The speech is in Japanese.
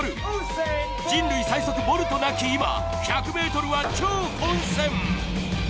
人類最速ボルトなき今１００ｍは超混戦！